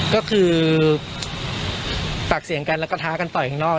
ก็คือปากเสียงกันแล้วก็ท้ากันต่อยข้างนอก